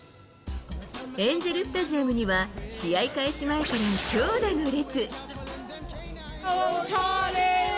エンゼルスタジアムには、試合開始前から長蛇の列。